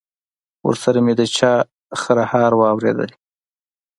ورسره مې د چا خرهار واورېدل.